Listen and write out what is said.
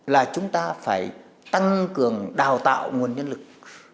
là chúng ta phải tăng cường đào tạo nguồn nhân lực